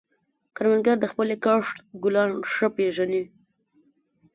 کروندګر د خپلې کښت ګلان ښه پېژني